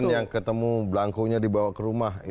mungkin yang ketemu belangkunya dibawa ke rumah